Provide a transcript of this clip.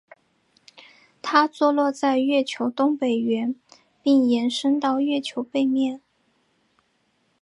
它坐落在月球东北缘并延伸到月球背面。